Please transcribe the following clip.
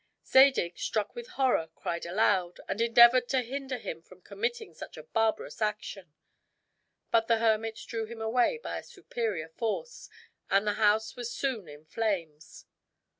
Zadig, struck with horror, cried aloud, and endeavored to hinder him from committing such a barbarous action; but the hermit drew him away by a superior force, and the house was soon in flames.